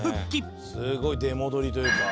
「すごい！出戻りというか」